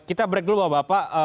kita break dulu bapak